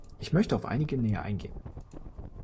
Ich möchte auf einige näher eingehen.